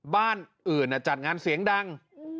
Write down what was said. บ้านอื่นจัดงานเสียงดัง